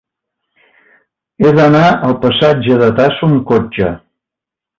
He d'anar al passatge de Tasso amb cotxe.